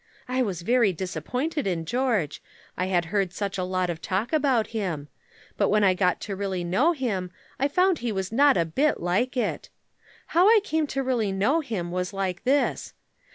I was very disappointed in George, I had heard such a lot of talk about him; but when I got to really know him I found he was not a bit like it. How I came to really know him was like this.